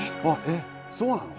えっそうなの？